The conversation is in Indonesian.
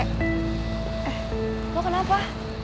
eh lo kenapa